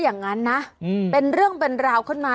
อย่างนั้นนะเป็นเรื่องเป็นราวขึ้นมา